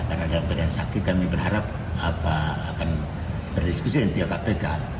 karena dalam keadaan sakit kami berharap akan berdiskusi dengan kpk